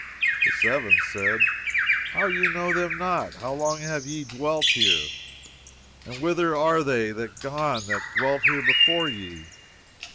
The Seven said, How, you know them not? How long have ye dwelt here, and whither are they gone that dwelt here before ye?